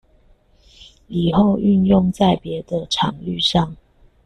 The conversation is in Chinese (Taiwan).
以後運用在別的場域上